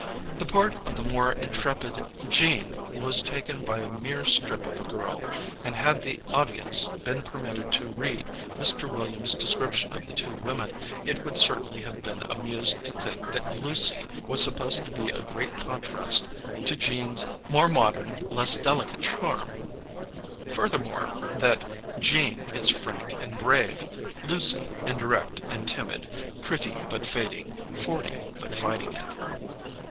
The part of the more intrepid Jean was taken by a mere strip of a girl, and had the audi ence been permitted to read Mr. Williams' descrip tion of the two women, it would certainly have been amused to think that Lucy was supposed to be a great contrast to Jean's ^'more modern, less delicate" charm ; furthermore, that *' Jean is frank and brave, Lucy indirect and timid, pretty but fading, forty but fighting it."